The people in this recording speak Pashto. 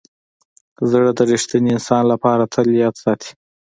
زړه د ریښتیني انسان لپاره تل یاد ساتي.